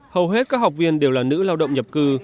hầu hết các học viên đều là nữ lao động nhập cư